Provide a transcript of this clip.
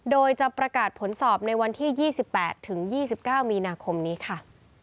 โดยจะประกาศผลสอบในวันที่๒๘ถึง๒๙มีนาคมนี้ค่ะ